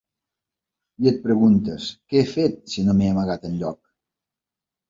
I et preguntes: ‘Què he fet si no m’he amagat enlloc?’